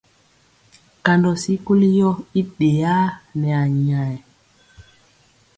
Kandɔ sikoli yɔ i ɗeyaa nɛ anyayɛ.